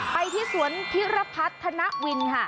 ไปที่สวนพิรพัฒนวินค่ะ